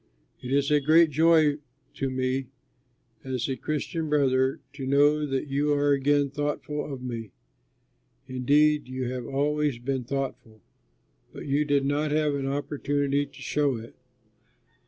It is a great joy to me as a Christian brother to know that you are again thoughtful of me. Indeed, you have always been thoughtful, but you did not have an opportunity to show it.